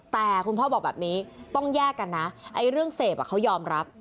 แต่คุณพ่อบอกแบบนี้ต้องแยกกันนะไอ้เรื่องเสพเขายอมรับ